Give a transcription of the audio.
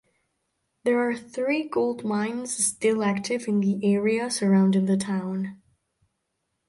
There are three gold mines still active in the area surrounding the town.